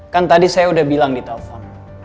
kan tadi saya udah bilang di telpon